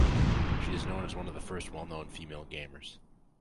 She is known as one of the first well-known female gamers.